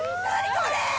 これ！